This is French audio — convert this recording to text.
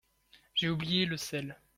J’ai oublié le sel.